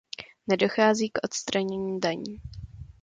Nedochází k odstranění daní.